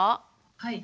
はい。